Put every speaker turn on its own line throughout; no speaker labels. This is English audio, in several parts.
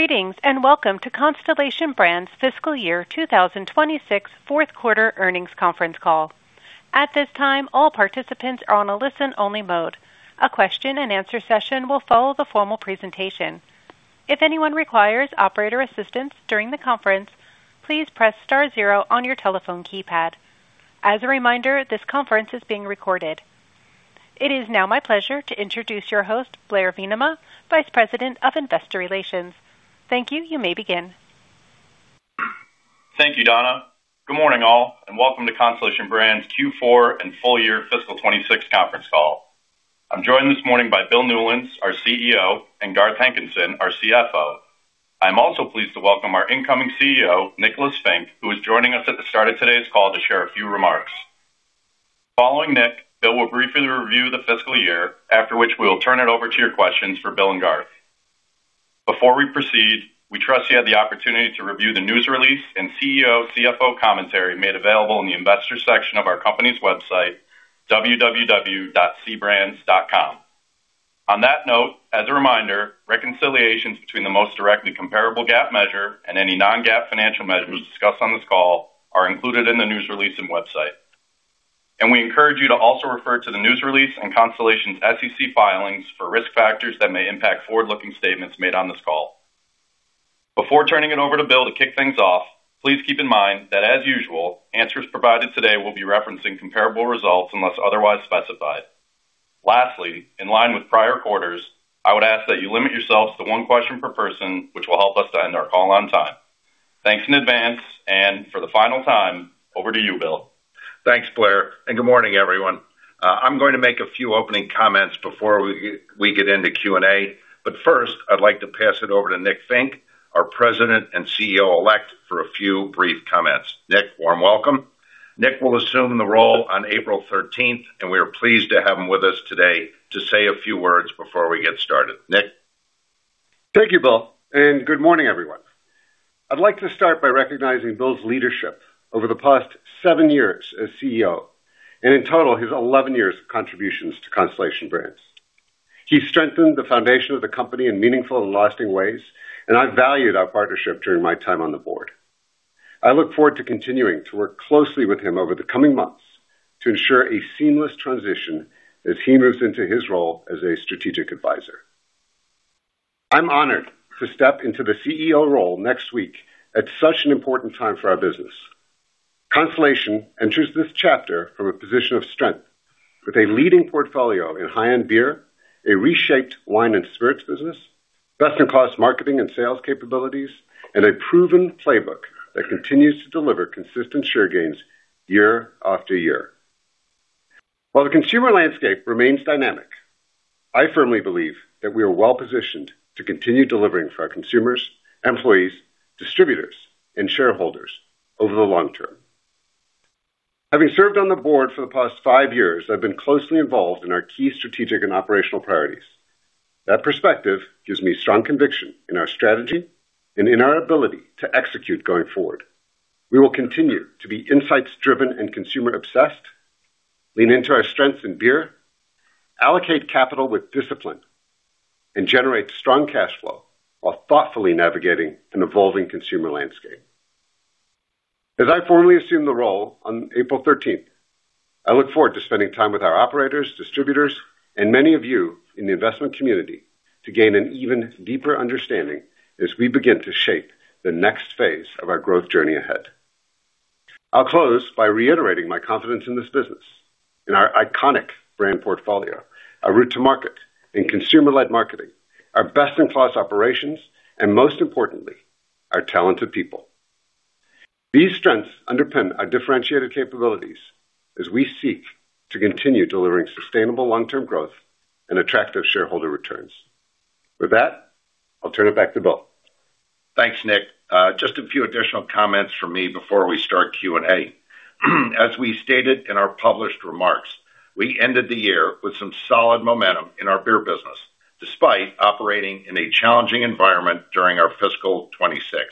Greetings, and welcome to Constellation Brands' fiscal year 2026 fourth quarter earnings conference call. At this time, all participants are on a listen-only mode. A question-and-answer session will follow the formal presentation. If anyone requires operator assistance during the conference, please press star zero on your telephone keypad. As a reminder, this conference is being recorded. It is now my pleasure to introduce your host, Blair Veenema, Vice President of Investor Relations. Thank you. You may begin.
Thank you, Donna. Good morning, all, and welcome to Constellation Brands' Q4 and full year fiscal 2026 conference call. I'm joined this morning by Bill Newlands, our CEO, and Garth Hankinson, our CFO. I'm also pleased to welcome our incoming CEO, Nicholas Fink, who is joining us at the start of today's call to share a few remarks. Following Nick, Bill will briefly review the fiscal year, after which we'll turn it over to your questions for Bill and Garth. Before we proceed, we trust you had the opportunity to review the news release and CEO and CFO commentary made available in the Investor section of our company's website, www.cbrands.com. On that note, as a reminder, reconciliations between the most directly comparable GAAP measure and any non-GAAP financial measures discussed on this call are included in the news release and website. We encourage you to also refer to the news release and Constellation's SEC filings for risk factors that may impact forward-looking statements made on this call. Before turning it over to Bill to kick things off, please keep in mind that, as usual, answers provided today will be referencing comparable results unless otherwise specified. Lastly, in line with prior quarters, I would ask that you limit yourself to one question per person, which will help us to end our call on time. Thanks in advance, and for the final time, over to you, Bill.
Thanks, Blair, and good morning, everyone. I'm going to make a few opening comments before we get into Q&A. First, I'd like to pass it over to Nick Fink, our President and CEO-elect, for a few brief comments. Nick, warm welcome. Nick will assume the role on April 13th, and we are pleased to have him with us today to say a few words before we get started. Nick?
Thank you, Bill, and good morning, everyone. I'd like to start by recognizing Bill's leadership over the past seven years as CEO and in total, his 11 years of contributions to Constellation Brands. He strengthened the foundation of the company in meaningful and lasting ways, and I valued our partnership during my time on the board. I look forward to continuing to work closely with him over the coming months to ensure a seamless transition as he moves into his role as a strategic advisor. I'm honored to step into the CEO role next week at such an important time for our business. Constellation enters this chapter from a position of strength with a leading portfolio in high-end beer, a reshaped wine and spirits business, best-in-class marketing and sales capabilities, and a proven playbook that continues to deliver consistent share gains year after year. While the consumer landscape remains dynamic, I firmly believe that we are well-positioned to continue delivering for our consumers, employees, distributors, and shareholders over the long term. Having served on the Board for the past five years, I've been closely involved in our key strategic and operational priorities. That perspective gives me strong conviction in our strategy and in our ability to execute going forward. We will continue to be insights-driven and consumer-obsessed, lean into our strengths in beer, allocate capital with discipline, and generate strong cash flow while thoughtfully navigating an evolving consumer landscape. As I formally assume the role on April 13th, I look forward to spending time with our operators, distributors, and many of you in the investment community to gain an even deeper understanding as we begin to shape the next phase of our growth journey ahead. I'll close by reiterating my confidence in this business, in our iconic brand portfolio, our route to market, in consumer-led marketing, our best-in-class operations, and most importantly, our talented people. These strengths underpin our differentiated capabilities as we seek to continue delivering sustainable long-term growth and attractive shareholder returns. With that, I'll turn it back to Bill.
Thanks, Nick. Just a few additional comments from me before we start Q&A. As we stated in our published remarks, we ended the year with some solid momentum in our beer business, despite operating in a challenging environment during our fiscal 2026.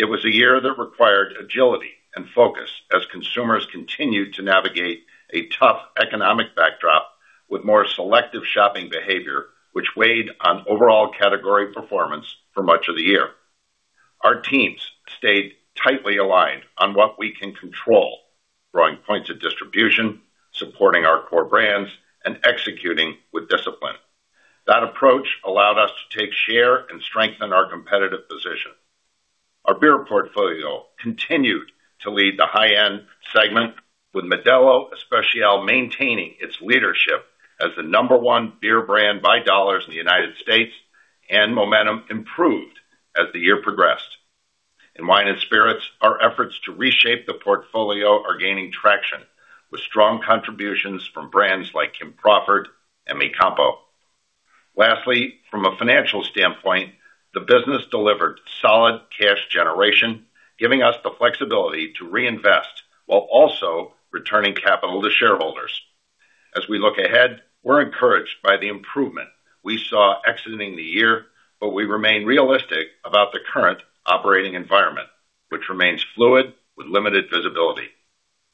It was a year that required agility and focus as consumers continued to navigate a tough economic backdrop with more selective shopping behavior, which weighed on overall category performance for much of the year. Our teams stayed tightly aligned on what we can control, growing points of distribution, supporting our core brands, and executing with discipline. That approach allowed us to take share and strengthen our competitive position. Our beer portfolio continued to lead the high-end segment, with Modelo Especial maintaining its leadership as the number one beer brand by dollars in the United States, and momentum improved as the year progressed. In wine and spirits, our efforts to reshape the portfolio are gaining traction with strong contributions from brands like Kim Crawford and Mi Campo. Lastly, from a financial standpoint, the business delivered solid cash generation, giving us the flexibility to reinvest while also returning capital to shareholders. As we look ahead, we're encouraged by the improvement we saw exiting the year, but we remain realistic about the current operating environment, which remains fluid with limited visibility.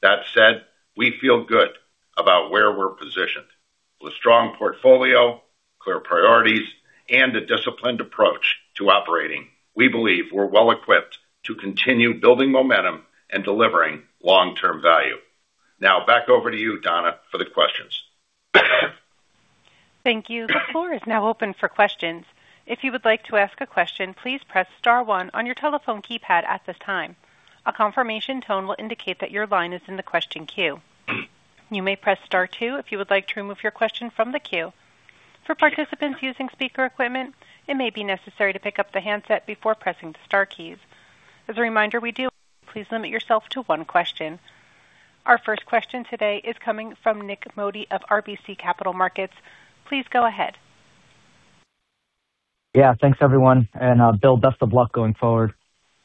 That said, we feel good about where we're positioned. With a strong portfolio, clear priorities, and a disciplined approach to operating, we believe we're well-equipped to continue building momentum and delivering long-term value. Now back over to you, Donna, for the questions.
Thank you. The floor is now open for questions. If you would like to ask a question, please press star one on your telephone keypad at this time. A confirmation tone will indicate that your line is in the question queue. You may press star two if you would like to remove your question from the queue. For participants using speaker equipment, it may be necessary to pick up the handset before pressing the star keys. As a reminder, we do please limit yourself to one question. Our first question today is coming from Nik Modi of RBC Capital Markets. Please go ahead.
Yeah. Thanks everyone. Bill, best of luck going forward.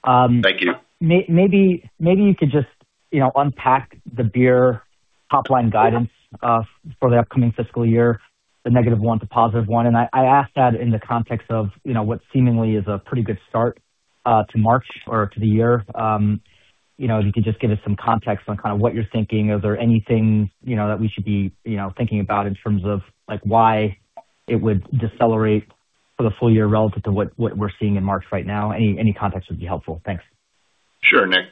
Thank you.
Maybe you could just unpack the beer top line guidance for the upcoming fiscal year, the -1% to +1%. I ask that in the context of what seemingly is a pretty good start to March or to the year. If you could just give us some context on kind of what you're thinking. Is there anything that we should be thinking about in terms of why it would decelerate for the full year relative to what we're seeing in March right now? Any context would be helpful. Thanks.
Sure. Nick.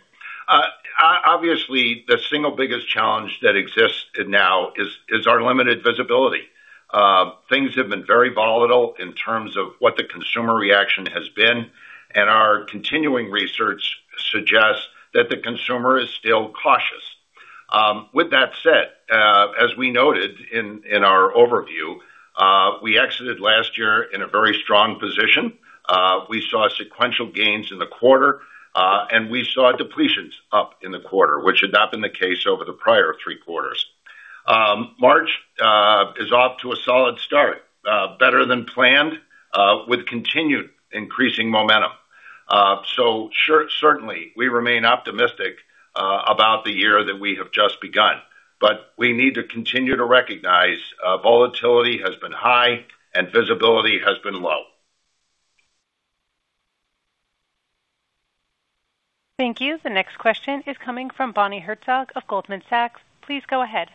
Obviously, the single biggest challenge that exists now is our limited visibility. Things have been very volatile in terms of what the consumer reaction has been, and our continuing research suggests that the consumer is still cautious. With that said, as we noted in our overview, we exited last year in a very strong position. We saw sequential gains in the quarter, and we saw depletions up in the quarter, which had not been the case over the prior three quarters. March is off to a solid start, better than planned, with continued increasing momentum. Certainly we remain optimistic about the year that we have just begun, but we need to continue to recognize volatility has been high and visibility has been low.
Thank you. The next question is coming from Bonnie Herzog of Goldman Sachs. Please go ahead.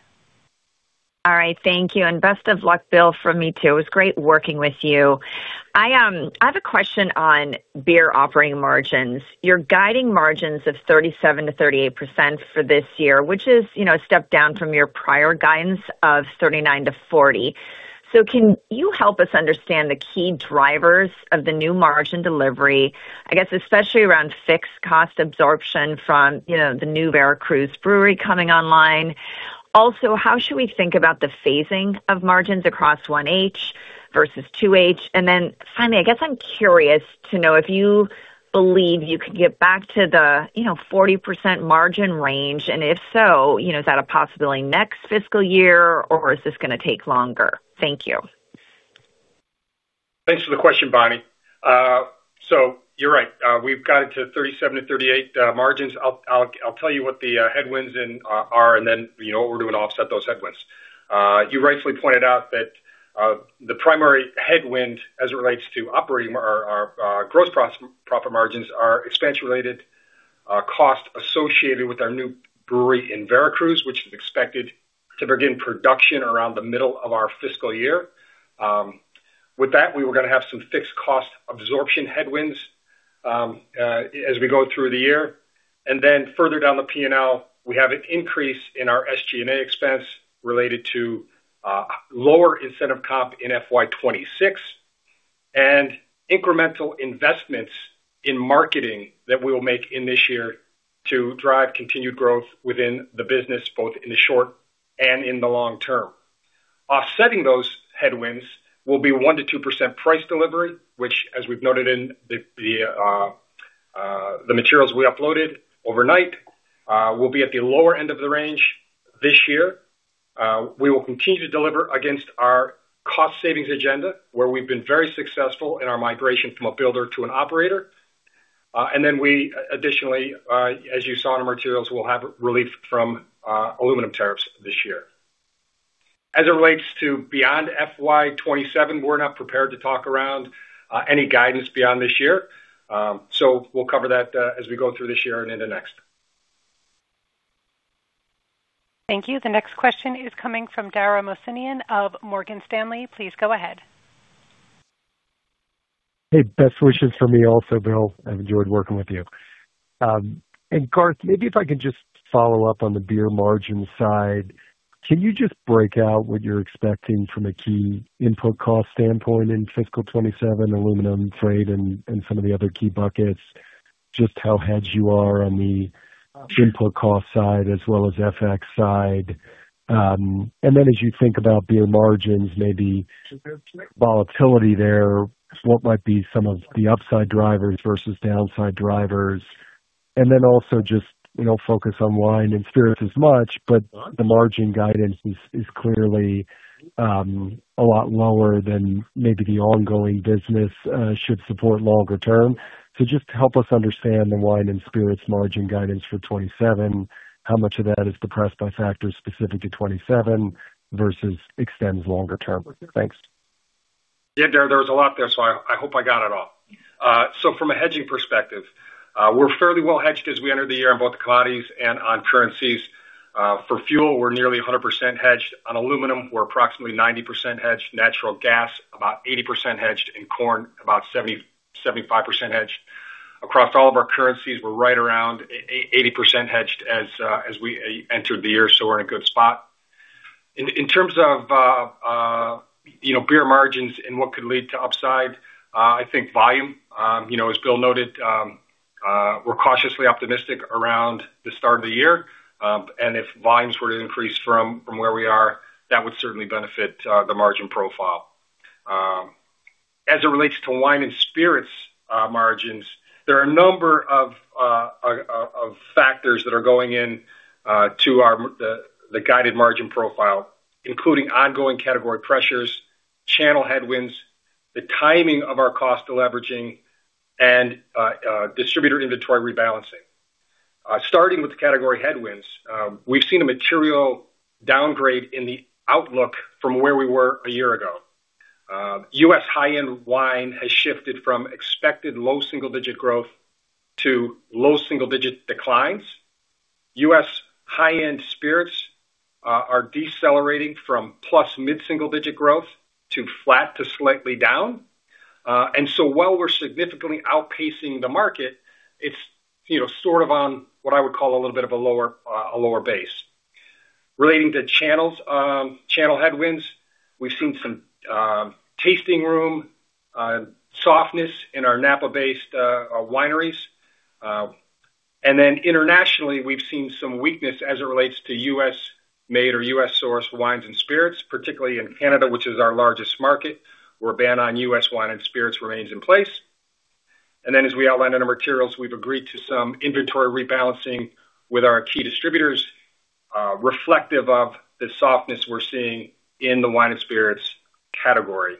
All right, thank you, and best of luck, Bill, from me too. It was great working with you. I have a question on beer operating margins. You're guiding margins of 37%-38% for this year, which is a step down from your prior guidance of 39%-40%. Can you help us understand the key drivers of the new margin delivery, I guess, especially around fixed cost absorption from the new Veracruz brewery coming online? Also, how should we think about the phasing of margins across 1H versus 2H? Finally, I guess I'm curious to know if you believe you could get back to the 40% margin range, and if so, is that a possibility next fiscal year or is this going to take longer? Thank you.
Thanks for the question, Bonnie. You're right. We've guided to 37%-38% margins. I'll tell you what the headwinds are and then what we're doing to offset those headwinds. You rightfully pointed out that the primary headwind as it relates to operating our gross profit margins are expansion-related costs associated with our new brewery in Veracruz, which is expected to begin production around the middle of our fiscal year. With that, we were going to have some fixed cost absorption headwinds as we go through the year. Further down the P&L, we have an increase in our SG&A expense related to lower incentive comp in FY 2026 and incremental investments in marketing that we will make in this year to drive continued growth within the business, both in the short and in the long term. Offsetting those headwinds will be 1%-2% price delivery, which as we've noted in the materials we uploaded overnight, will be at the lower end of the range this year. We will continue to deliver against our cost savings agenda, where we've been very successful in our migration from a builder to an operator. We additionally, as you saw in our materials, will have relief from aluminum tariffs this year. As it relates to beyond FY 2027, we're not prepared to talk around any guidance beyond this year. We'll cover that as we go through this year and into next.
Thank you. The next question is coming from Dara Mohsenian of Morgan Stanley. Please go ahead.
Hey, best wishes from me also, Bill. I've enjoyed working with you. Garth, maybe if I can just follow up on the beer margin side. Can you just break out what you're expecting from a key input cost standpoint in FY 2027, aluminum, freight, and some of the other key buckets, just how hedged you are on the input cost side as well as FX side? Then as you think about beer margins, maybe volatility there, what might be some of the upside drivers versus downside drivers? Also just not focus on wine and spirits as much, but the margin guidance is clearly a lot lower than maybe the ongoing business should support longer term. Just help us understand the wine and spirits margin guidance for 2027. How much of that is depressed by factors specific to 2027 versus what extends longer term? Thanks.
Yeah, there was a lot there, so I hope I got it all. From a hedging perspective, we're fairly well hedged as we enter the year in both commodities and on currencies. For fuel, we're nearly 100% hedged. On aluminum, we're approximately 90% hedged. Natural gas, about 80% hedged. In corn, about 75% hedged. Across all of our currencies, we're right around 80% hedged as we entered the year, so we're in a good spot. In terms of beer margins and what could lead to upside, I think volume. As Bill noted, we're cautiously optimistic around the start of the year. If volumes were to increase from where we are, that would certainly benefit the margin profile. As it relates to wine and spirits margins, there are a number of factors that are going in to the guided margin profile, including ongoing category pressures, channel headwinds, the timing of our cost deleveraging, and distributor inventory rebalancing. Starting with the category headwinds, we've seen a material downgrade in the outlook from where we were a year ago. U.S. high-end wine has shifted from expected low single-digit growth to low single-digit declines. U.S. high-end spirits are decelerating from plus mid-single digit growth to flat to slightly down. While we're significantly outpacing the market, it's sort of on what I would call a little bit of a lower base. Relating to channel headwinds, we've seen some tasting room softness in our Napa-based wineries. Internationally, we've seen some weakness as it relates to U.S.-made or U.S.-sourced wines and spirits, particularly in Canada, which is our largest market, where a ban on U.S. wine and spirits remains in place. As we outlined in our materials, we've agreed to some inventory rebalancing with our key distributors, reflective of the softness we're seeing in the wine and spirits category.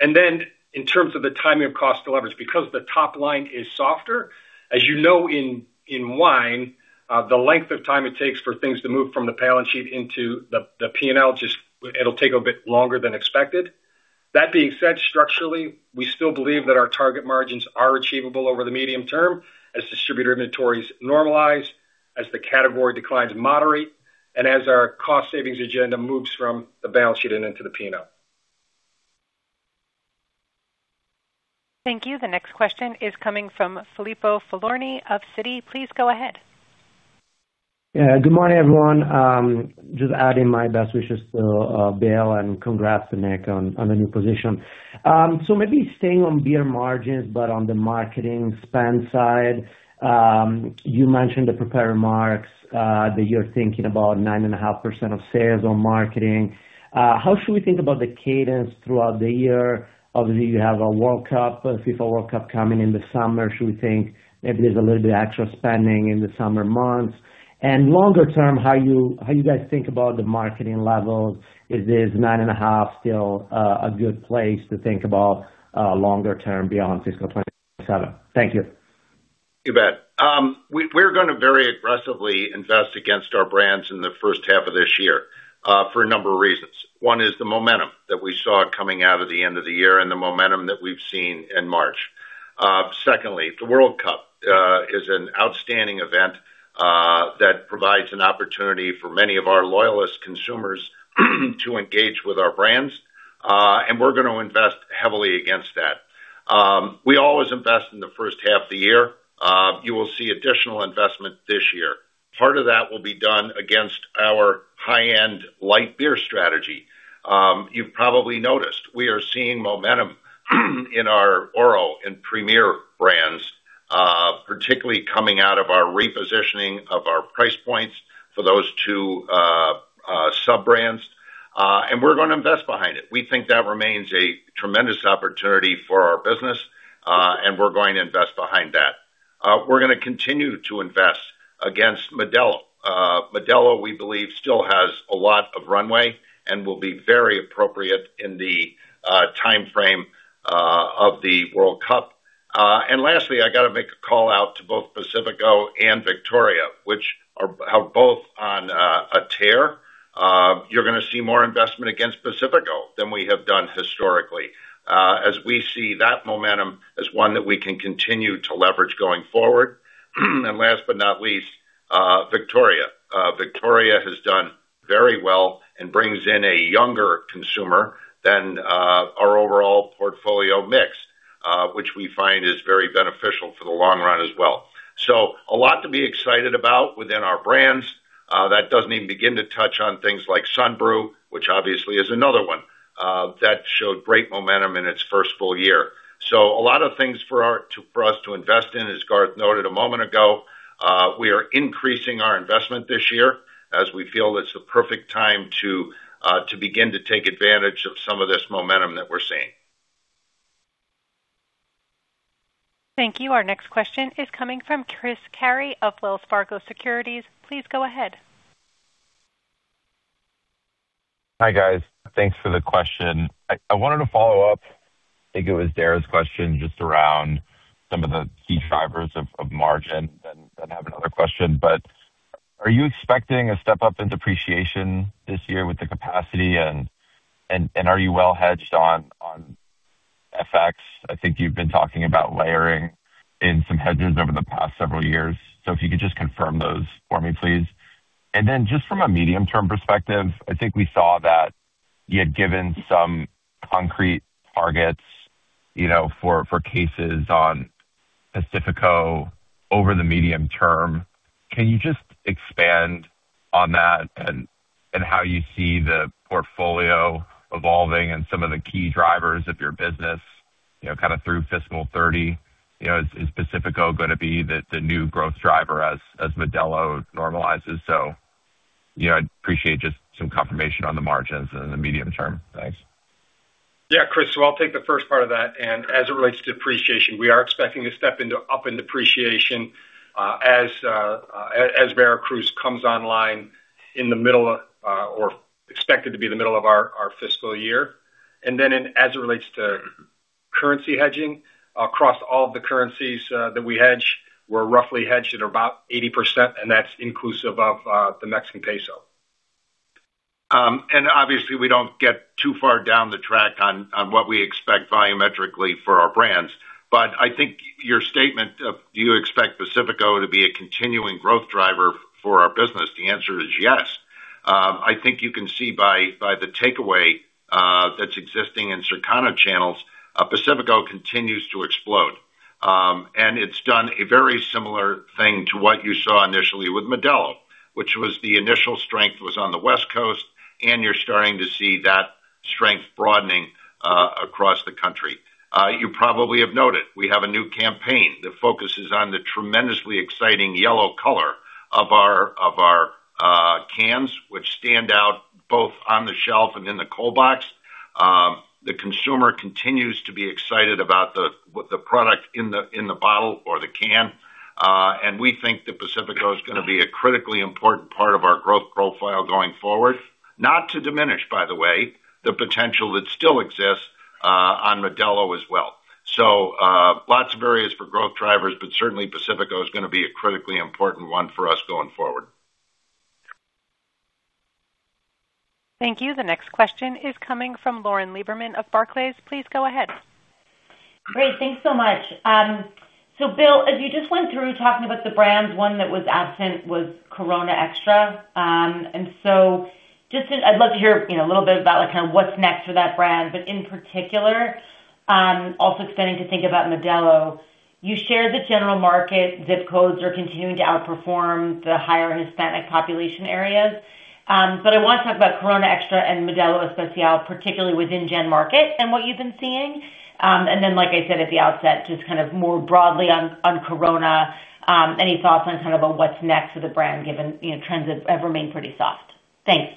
In terms of the timing of cost leverage, because the top line is softer, as you know in wine, the length of time it takes for things to move from the balance sheet into the P&L, it'll take a bit longer than expected. That being said, structurally, we still believe that our target margins are achievable over the medium term as distributor inventories normalize, as the category declines moderate, and as our cost savings agenda moves from the balance sheet and into the P&L.
Thank you. The next question is coming from Filippo Falorni of Citi. Please go ahead.
Yeah. Good morning, everyone. Just adding my best wishes to Bill, and congrats to Nick on the new position. Maybe staying on beer margins, but on the marketing spend side. You mentioned the prepared remarks, that you're thinking about 9.5% of sales on marketing. How should we think about the cadence throughout the year? Obviously, you have a World Cup, FIFA World Cup coming in the summer. Should we think maybe there's a little bit of extra spending in the summer months? Longer term, how you guys think about the marketing levels? Is this 9.5% still a good place to think about longer term beyond fiscal 2027? Thank you.
You bet. We're gonna very aggressively invest against our brands in the first half of this year, for a number of reasons. One is the momentum that we saw coming out of the end of the year and the momentum that we've seen in March. Secondly, the World Cup is an outstanding event that provides an opportunity for many of our loyalist consumers to engage with our brands, and we're gonna invest heavily against that. We always invest in the first half of the year. You will see additional investment this year. Part of that will be done against our high-end light beer strategy. You've probably noticed we are seeing momentum in our Oro and Premier brands, particularly coming out of our repositioning of our price points for those two sub-brands. We're gonna invest behind it. We think that remains a tremendous opportunity for our business, and we're going to invest behind that. We're gonna continue to invest against Modelo. Modelo, we believe, still has a lot of runway and will be very appropriate in the timeframe of the World Cup. Lastly, I got to make a call out to both Pacifico and Victoria, which are both on a tear. You're gonna see more investment against Pacifico than we have done historically, as we see that momentum as one that we can continue to leverage going forward. Last but not least, Victoria. Victoria has done very well and brings in a younger consumer than our overall portfolio mix, which we find is very beneficial for the long run as well. A lot to be excited about within our brands. That doesn't even begin to touch on things like Sunbrew, which obviously is another one that showed great momentum in its first full year. A lot of things for us to invest in. As Garth noted a moment ago, we are increasing our investment this year as we feel it's the perfect time to begin to take advantage of some of this momentum that we're seeing.
Thank you. Our next question is coming from Chris Carey of Wells Fargo Securities. Please go ahead.
Hi, guys. Thanks for the question. I wanted to follow up, I think it was Dara's question, just around some of the key drivers of margin, then I have another question. Are you expecting a step up in depreciation this year with the capacity, and are you well hedged on FX? I think you've been talking about layering in some hedges over the past several years. If you could just confirm those for me, please. Then just from a medium-term perspective, I think we saw that you had given some concrete targets for cases on Pacifico over the medium term. Can you just expand on that and how you see the portfolio evolving and some of the key drivers of your business through fiscal 2030? Is Pacifico going to be the new growth driver as Modelo normalizes? I'd appreciate just some confirmation on the margins in the medium term. Thanks.
Yeah, Chris. I'll take the first part of that, and as it relates to depreciation, we are expecting a step up in depreciation as Veracruz comes online in the middle of, or expected to be in the middle of our fiscal year. As it relates to currency hedging across all the currencies that we hedge, we're roughly hedged at about 80%, and that's inclusive of the Mexican peso. Obviously we don't get too far down the track on what we expect volumetrically for our brands. I think your statement of, do you expect Pacifico to be a continuing growth driver for our business, the answer is yes. I think you can see by the takeaway that's existing in Circana channels, Pacifico continues to explode.
It's done a very similar thing to what you saw initially with Modelo, which was the initial strength was on the West Coast, and you're starting to see that strength broadening across the country. You probably have noted we have a new campaign that focuses on the tremendously exciting yellow color of our cans, which stand out both on the shelf and in the cold box. The consumer continues to be excited about the product in the bottle or the can. We think that Pacifico is gonna be a critically important part of our growth profile going forward. Not to diminish, by the way, the potential that still exists on Modelo as well. Lots of areas for growth drivers, but certainly Pacifico is gonna be a critically important one for us going forward.
Thank you. The next question is coming from Lauren Lieberman of Barclays. Please go ahead.
Great. Thanks so much. Bill, as you just went through talking about the brands, one that was absent was Corona Extra. I'd love to hear a little bit about what's next for that brand. In particular, also extending to think about Modelo. You shared the general market ZIP codes are continuing to outperform the higher Hispanic population areas. I want to talk about Corona Extra and Modelo Especial, particularly within general market and what you've been seeing. Then, like I said at the outset, just more broadly on Corona, any thoughts on kind of on what's next for the brand given trends have remained pretty soft. Thanks.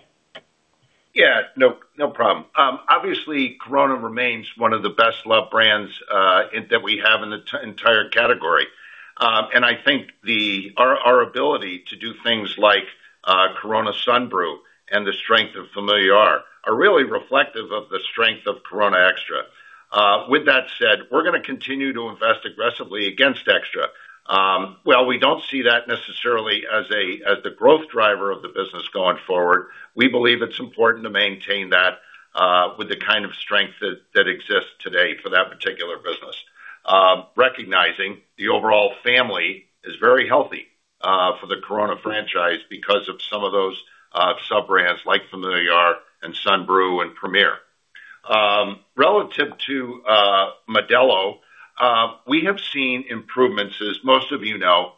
Yeah. No problem. Obviously, Corona remains one of the best-loved brands that we have in the entire category. I think our ability to do things like Corona Sunbrew and the strength of Familiar are really reflective of the strength of Corona Extra. With that said, we're gonna continue to invest aggressively against Extra. While we don't see that necessarily as the growth driver of the business going forward, we believe it's important to maintain that with the kind of strength that exists today for that particular business. Recognizing the overall family is very healthy for the Corona franchise because of some of those sub-brands like Familiar and Sunbrew and Premier. Relative to Modelo, we have seen improvements. As most of you know,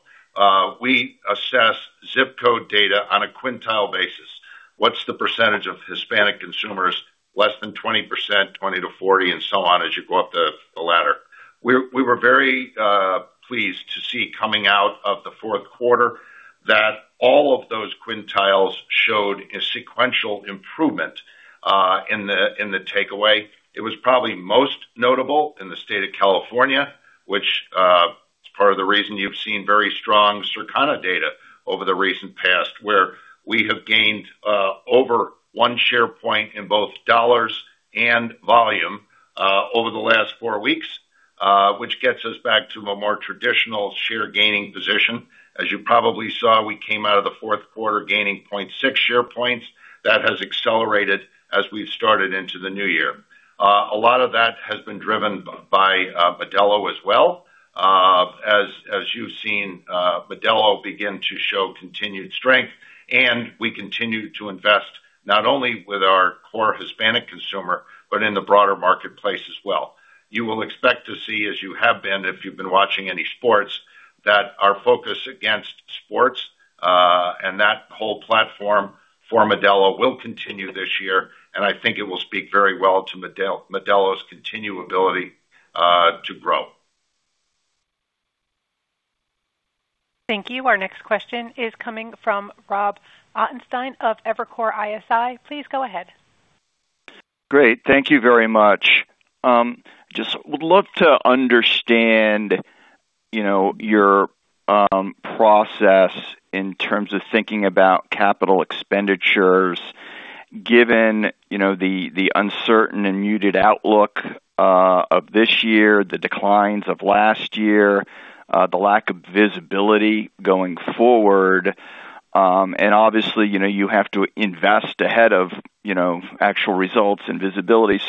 we assess ZIP code data on a quintile basis. What's the percentage of Hispanic consumers? Less than 20%, 20%-40%, and so on as you go up the ladder. We were very pleased to see coming out of the fourth quarter that all of those quintiles showed a sequential improvement in the takeaway. It was probably most notable in the state of California, which is part of the reason you've seen very strong Circana data over the recent past, where we have gained over one share point in both dollars and volume over the last four weeks. Which gets us back to a more traditional share gaining position. As you probably saw, we came out of the fourth quarter gaining 0.6 share points. That has accelerated as we've started into the new year. A lot of that has been driven by Modelo as well. As you've seen Modelo begin to show continued strength, and we continue to invest not only with our core Hispanic consumer, but in the broader marketplace as well. You will expect to see as you have been, if you've been watching any sports, that our focus against sports, and that whole platform for Modelo will continue this year, and I think it will speak very well to Modelo's continued ability to grow.
Thank you. Our next question is coming from Rob Ottenstein of Evercore ISI. Please go ahead.
Great. Thank you very much. Just would love to understand your process in terms of thinking about capital expenditures. Given the uncertain and muted outlook of this year, the declines of last year, the lack of visibility going forward, and obviously, you have to invest ahead of actual results and visibility.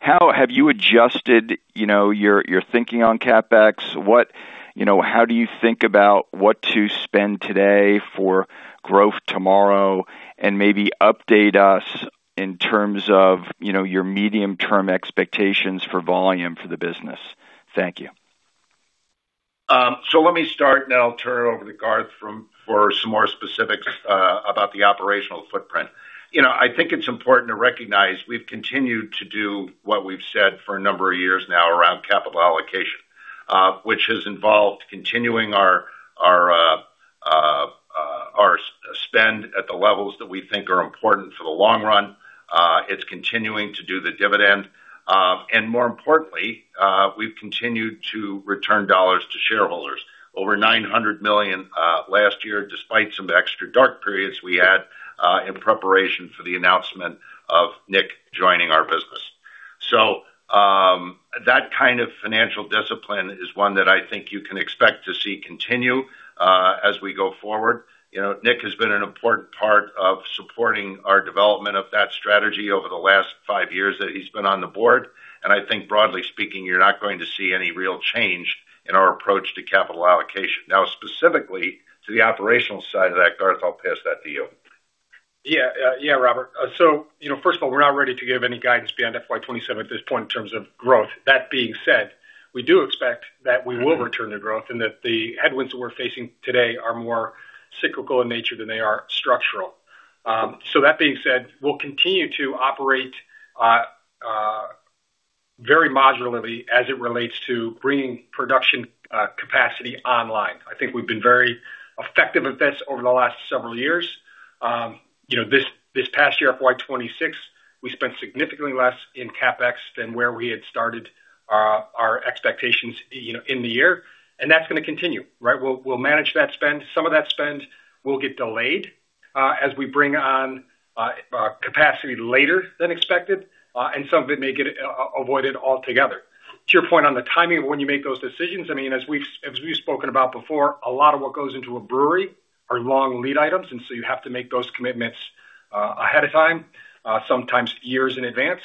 How have you adjusted your thinking on CapEx? How do you think about what to spend today for growth tomorrow, and maybe update us in terms of your medium-term expectations for volume for the business? Thank you.
Let me start, and then I'll turn it over to Garth for some more specifics about the operational footprint. I think it's important to recognize we've continued to do what we've said for a number of years now around capital allocation, which has involved continuing our spend at the levels that we think are important for the long run. It's continuing to do the dividend. More importantly, we've continued to return dollars to shareholders. Over $900 million last year, despite some extra dark periods we had in preparation for the announcement of Nick joining our business. That kind of financial discipline is one that I think you can expect to see continue as we go forward. Nick has been an important part of supporting our development of that strategy over the last five years that he's been on the board. I think broadly speaking, you're not going to see any real change in our approach to capital allocation. Now, specifically to the operational side of that, Garth, I'll pass that to you.
Yeah, Robert. First of all, we're not ready to give any guidance beyond FY 2027 at this point in terms of growth. That being said, we do expect that we will return to growth and that the headwinds that we're facing today are more cyclical in nature than they are structural. That being said, we'll continue to operate very modularly as it relates to bringing production capacity online. I think we've been very effective at this over the last several years. This past year, FY 2026, we spent significantly less in CapEx than where we had started our expectations in the year, and that's going to continue, right? We'll manage that spend. Some of that spend will get delayed as we bring on capacity later than expected, and some of it may get avoided altogether. To your point on the timing of when you make those decisions, as we've spoken about before, a lot of what goes into a brewery are long lead items, and so you have to make those commitments ahead of time, sometimes years in advance.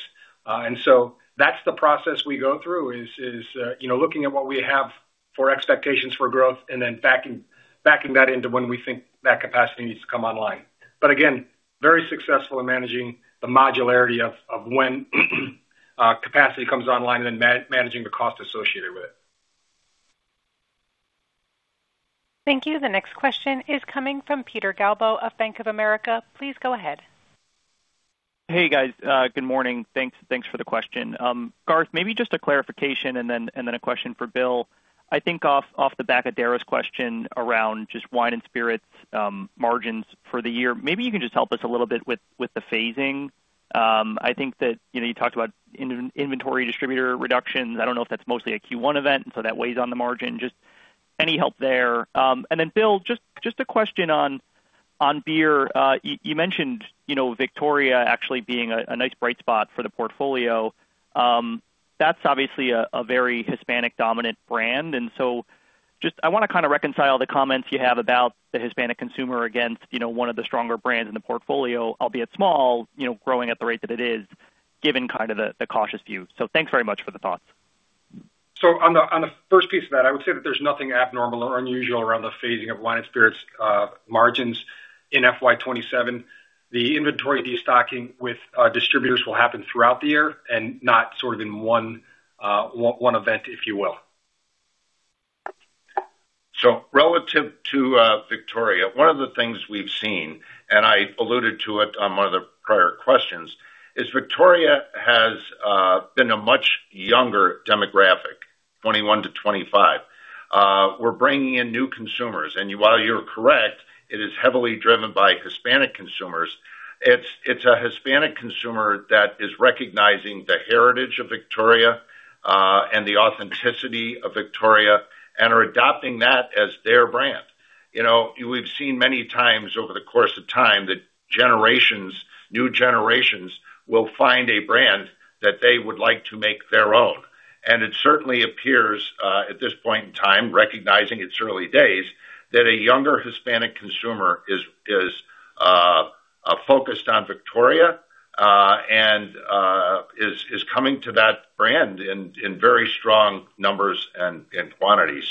That's the process we go through, is looking at what we have for expectations for growth and then backing that into when we think that capacity needs to come online. Again, very successful in managing the modularity of when capacity comes online and then managing the cost associated with it.
Thank you. The next question is coming from Peter Galbo of Bank of America. Please go ahead.
Hey, guys. Good morning. Thanks for the question. Garth, maybe just a clarification and then a question for Bill. I think off the back of Dara's question around just wine and spirits margins for the year, maybe you can just help us a little bit with the phasing. I think that you talked about inventory distributor reductions. I don't know if that's mostly a Q1 event, and so that weighs on the margin. Just any help there. And then Bill, just a question on beer. You mentioned Victoria actually being a nice bright spot for the portfolio. That's obviously a very Hispanic-dominant brand. And so I want to kind of reconcile the comments you have about the Hispanic consumer against one of the stronger brands in the portfolio, albeit small, growing at the rate that it is, given kind of the cautious view. Thanks very much for the thoughts.
On the first piece of that, I would say that there's nothing abnormal or unusual around the phasing of Wine and Spirits margins in FY 2027. The inventory de-stocking with distributors will happen throughout the year and not sort of in one event, if you will.
Relative to Victoria, one of the things we've seen, and I alluded to it on one of the prior questions, is Victoria has been a much younger demographic, 21-25. We're bringing in new consumers. While you're correct, it is heavily driven by Hispanic consumers. It's a Hispanic consumer that is recognizing the heritage of Victoria and the authenticity of Victoria and are adopting that as their brand. We've seen many times over the course of time that new generations will find a brand that they would like to make their own. It certainly appears, at this point in time, recognizing its early days, that a younger Hispanic consumer is focused on Victoria and is coming to that brand in very strong numbers and quantities.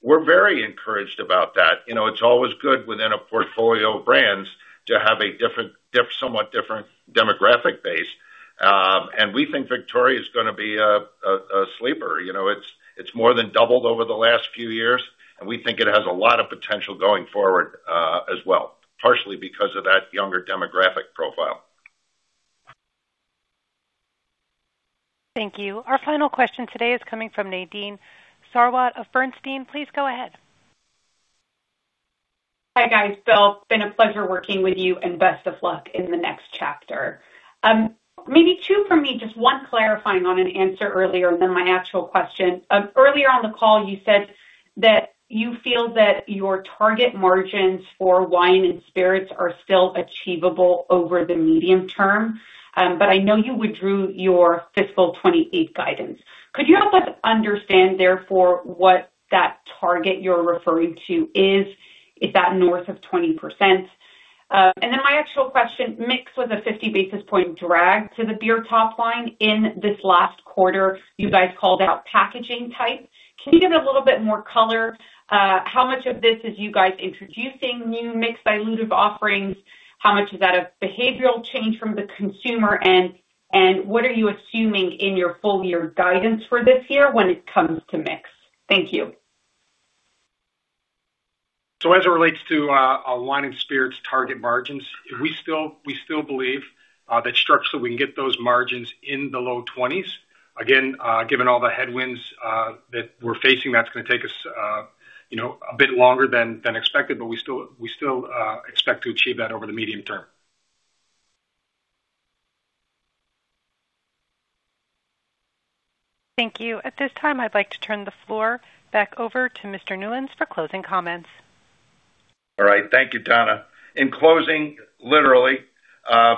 We're very encouraged about that. It's always good within a portfolio of brands to have a somewhat different demographic base. We think Victoria is gonna be a sleeper. It's more than doubled over the last few years, and we think it has a lot of potential going forward as well, partially because of that younger demographic profile.
Thank you. Our final question today is coming from Nadine Sarwat of Bernstein. Please go ahead.
Hi, guys. Bill, it's been a pleasure working with you and best of luck in the next chapter. Maybe two from me, just one clarifying on an answer earlier, and then my actual question. Earlier on the call, you said that you feel that your target margins for wine and spirits are still achievable over the medium term, but I know you withdrew your fiscal 2028 guidance. Could you help us understand, therefore, what that target you're referring to is? Is that north of 20%? My actual question, mix was a 50 basis points drag to the beer top line in this last quarter. You guys called out packaging type. Can you give a little bit more color? How much of this is you guys introducing new mix dilutive offerings? How much is that a behavioral change from the consumer, and what are you assuming in your full year guidance for this year when it comes to mix? Thank you.
As it relates to our Wine and Spirits target margins, we still believe that structurally, we can get those margins in the low 20s%. Again, given all the headwinds that we're facing, that's gonna take us a bit longer than expected. We still expect to achieve that over the medium term.
Thank you. At this time, I'd like to turn the floor back over to Mr. Newlands for closing comments.
All right. Thank you, Donna. In closing, literally,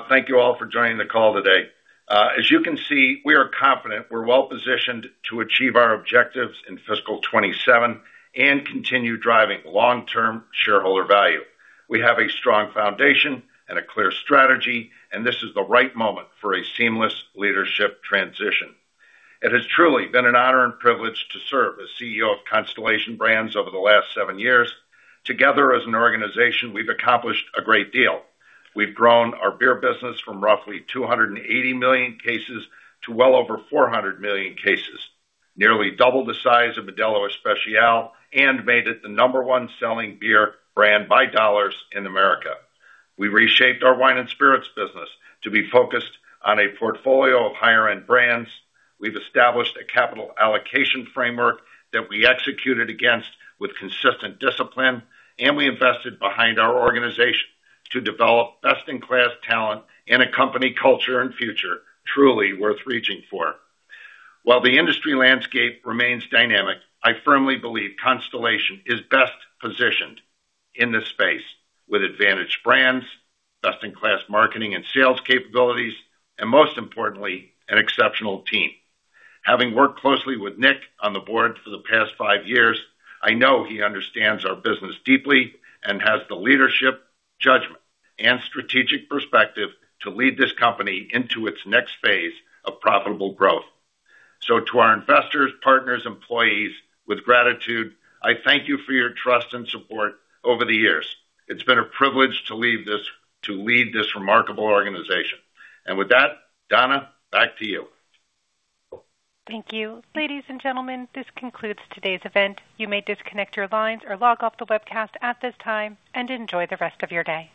thank you all for joining the call today. As you can see, we are confident we're well-positioned to achieve our objectives in fiscal 2027 and continue driving long-term shareholder value. We have a strong foundation and a clear strategy, and this is the right moment for a seamless leadership transition. It has truly been an honor and privilege to serve as CEO of Constellation Brands over the last seven years. Together, as an organization, we've accomplished a great deal. We've grown our beer business from roughly 280 million cases to well over 400 million cases, nearly double the size of Modelo Especial, and made it the number one selling beer brand by dollars in America. We reshaped our Wine and Spirits business to be focused on a portfolio of higher-end brands. We've established a capital allocation framework that we executed against with consistent discipline, and we invested behind our organization to develop best-in-class talent and a company culture and future truly worth reaching for. While the industry landscape remains dynamic, I firmly believe Constellation is best positioned in this space with advantage brands, best in class marketing and sales capabilities, and most importantly, an exceptional team. Having worked closely with Nick on the Board for the past five years, I know he understands our business deeply and has the leadership, judgment, and strategic perspective to lead this company into its next phase of profitable growth. To our investors, partners, employees, with gratitude, I thank you for your trust and support over the years. It's been a privilege to lead this remarkable organization. With that, Donna, back to you.
Thank you. Ladies and gentlemen, this concludes today's event. You may disconnect your lines or log off the webcast at this time and enjoy the rest of your day.